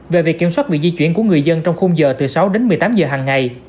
về việc kiểm soát việc di chuyển của người dân trong khung giờ từ sáu đến một mươi tám giờ hằng ngày